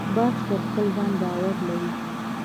باز پر خپل ځان باور لري